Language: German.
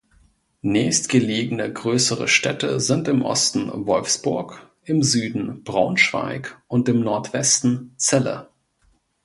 Nächstgelegene größere Städte sind im Osten Wolfsburg, im Süden Braunschweig und im Nordwesten Celle.